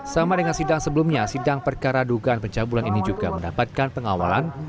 sama dengan sidang sebelumnya sidang perkara dugaan pencabulan ini juga mendapatkan pengawalan